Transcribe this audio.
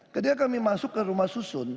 ketika kami masuk ke rumah susun